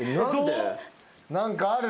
何かある？